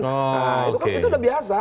nah itu kan itu udah biasa